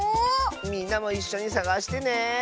みんなもいっしょにさがしてね！